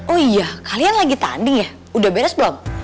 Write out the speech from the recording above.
oh iya kalian lagi tanding ya udah beres belum